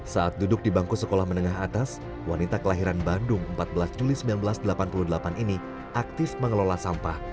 saat duduk di bangku sekolah menengah atas wanita kelahiran bandung empat belas juli seribu sembilan ratus delapan puluh delapan ini aktif mengelola sampah